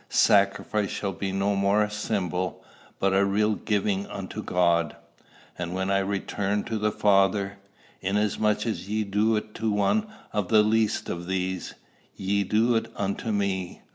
Sacrifice shall be no more a symbol, but a real giving unto God; and when I return to the Father, inasmuch as ye do it to one of the least of these, ye do it unto me."